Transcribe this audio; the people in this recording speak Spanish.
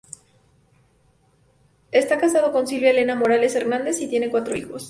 Esta casado con Silvia Elena Morales Hernández y tiene cuatro hijos.